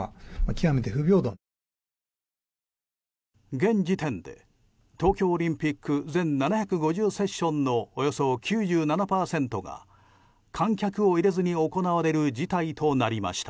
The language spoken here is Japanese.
現時点で、東京オリンピック全７５０セッションのおよそ９７％が観客を入れずに行われる事態となりました。